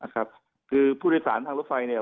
คือผู้โดยสารทางรถไฟเนี่ย